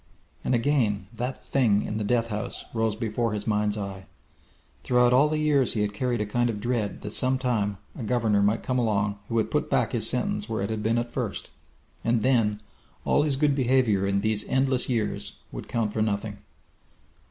And again that Thing in the death house rose before his mind's eyes. Throughout all the years he had carried a kind of dread that sometime a governor might come along who would put back his sentence where it had been at first and then all his good behaviour in these endless years would count for nothing.